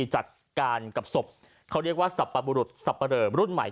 จัดการกับศพเขาเรียกว่าสรรพบุรุษสับปะเหลอรุ่นใหม่